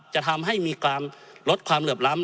จะทำให้มีการลดความเหลื่อมล้ำ